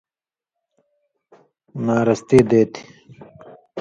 ناراستی دے تھی۔